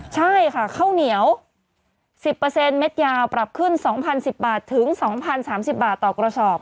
ใช่ค่ะข้าวเหนียว๑๐เม็ดยาวปรับขึ้น๒๐๑๐บาทถึง๒๐๓๐บาทต่อกระสอบ